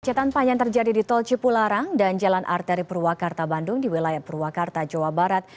kemacetan panjang terjadi di tol cipularang dan jalan arteri purwakarta bandung di wilayah purwakarta jawa barat